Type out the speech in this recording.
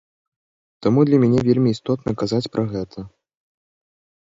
Таму для мяне вельмі істотна казаць пра гэта.